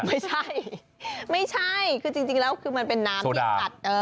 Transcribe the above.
ไม่ใช่ไม่ใช่คือจริงแล้วคือมันเป็นน้ำที่อัด